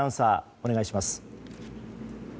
お願いします。